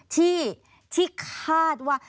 ที่คาดว่า